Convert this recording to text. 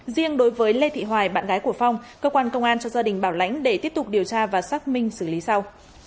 riêng đối với lê thị hoài bạn gái của phong cơ quan công an cho gia đình bảo lãnh để tiếp tục điều tra và xác minh xử lý sau